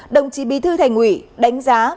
đồng chí bí thư thành ủy đánh giá